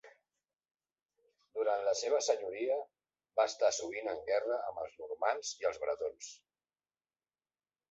Durant la seva senyoria, va estar sovint en guerra amb els normands i els bretons.